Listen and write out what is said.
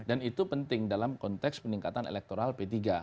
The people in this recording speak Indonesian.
dan itu penting dalam konteks peningkatan elektoral p tiga